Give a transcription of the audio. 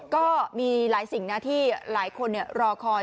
ก็มีหลายสิ่งนะที่หลายคนรอคอย